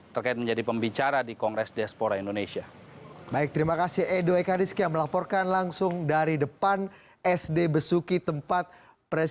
terkait menjadi pembicara di kongres des pores